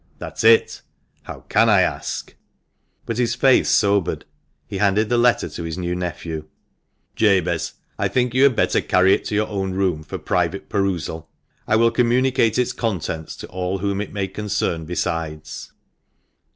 That's it. How can I ask?" But his face sobered. He handed the letter to his new nephew. "Jabez, I think you had better carry it to your own room for private perusal. I will communicate its contents to all whom it may concern besides."